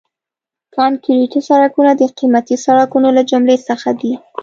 کانکریټي سړکونه د قیمتي سړکونو له جملې څخه دي